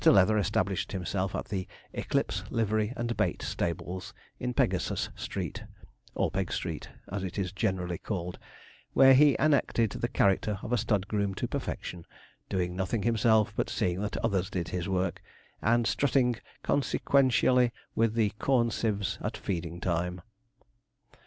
Leather established himself at the 'Eclipse Livery and Bait Stables,' in Pegasus Street, or Peg Street, as it is generally called, where he enacted the character of stud groom to perfection, doing nothing himself, but seeing that others did his work, and strutting consequentially with the corn sieves at feeding time.